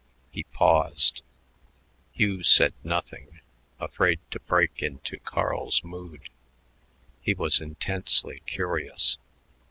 He paused. Hugh said nothing, afraid to break into Carl's mood. He was intensely curious.